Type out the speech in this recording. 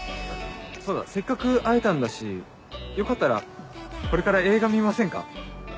そうだせっかく会えたんだしよかったらこれから映画見ませんか？